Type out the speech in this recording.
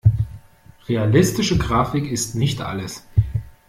Realistische Grafik ist nicht alles.